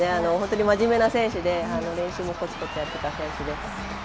真面目な選手なので練習もこつこつやっていた選手です。